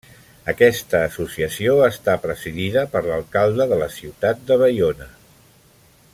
Aquesta associació està presidida per l'alcalde de la ciutat de Baiona.